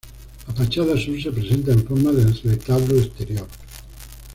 La fachada sur se presenta en forma de retablo exterior.